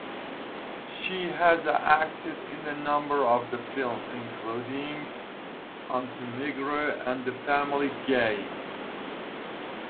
She has acted in a number of films, including "Untamagiru" and "The Family Game".